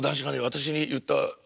私に言った言葉。